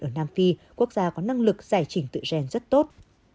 ở nam phi quốc gia có năng lực giải trình tự gen rất tốt